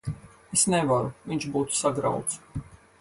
Es nevaru. Viņš būtu sagrauts.